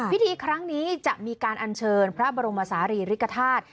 พิธีครั้งนี้จะมีการอัญเชิญพระบรมศาลีริกฐาตุ